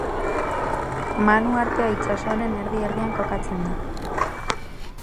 Man uhartea itsaso honen erdi-erdian kokatzen da.